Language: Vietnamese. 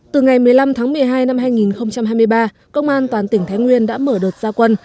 từ ngày một mươi năm tháng một mươi hai năm hai nghìn hai mươi ba công an toàn tỉnh thái nguyên đã mở đợt gia quân